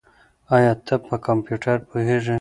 ایا ته په کمپیوټر پوهېږې؟